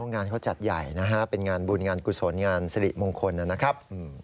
งานเขาจัดใหญ่นะฮะเป็นงานบุญงานกุศลงานสิริมงคลนะครับ